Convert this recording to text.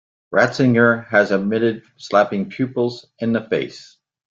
Ratzinger has admitted slapping pupils in the face.